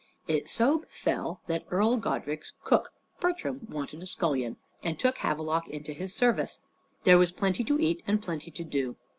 It so befell that Earl Godrich's cook, Bertram, wanted a scullion, and took Havelok into his service. There was plenty to eat and plenty to do.